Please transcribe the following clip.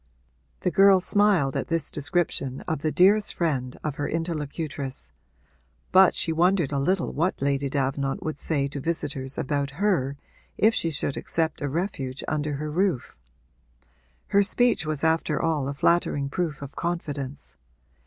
The girl smiled at this description of the dearest friend of her interlocutress, but she wondered a little what Lady Davenant would say to visitors about her if she should accept a refuge under her roof. Her speech was after all a flattering proof of confidence.